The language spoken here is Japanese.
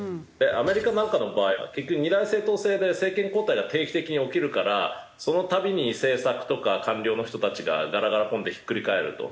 アメリカなんかの場合は結局二大政党制で政権交代が定期的に起きるからそのたびに政策とか官僚の人たちがガラガラポンでひっくり返ると。